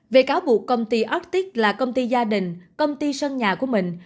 về cáo buộc công ty ortic là công ty gia đình công ty sân nhà của mình